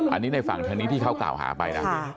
อันนี้ในฝั่งทางนี้ที่เขากล่าวหาไปนะ